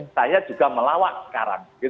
saya juga melawak sekarang